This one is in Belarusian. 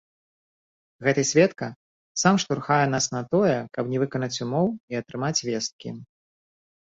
Гэты сведка сам штурхае нас на тое, каб не выканаць умоў і атрымаць весткі.